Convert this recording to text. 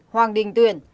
hoàng đình tuyển